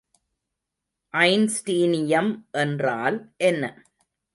Einsteinium என்றால் என்ன?